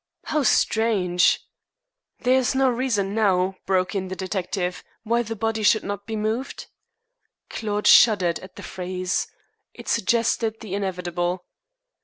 "How strange!" "There is no reason now," broke in the detective, "why the body should not be moved?" Claude shuddered at the phrase. It suggested the inevitable.